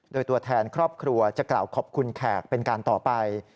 โดยตัวแทนครอบครัวจะกล่าวขอบคุณแขกเป็นการต่อไป